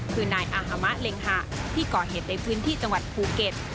คือนายอาฮามะเล็งหะที่ก่อเหตุในพื้นที่จังหวัดภูเก็ต